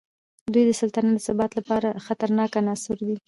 دوی د سلطنت د ثبات لپاره خطرناک عناصر وو.